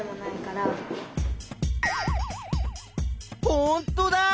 ほんとだ！